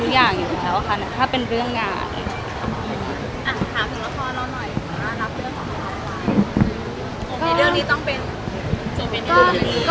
ด้วยตัวเองอยู่แถวคือเรื่องงาน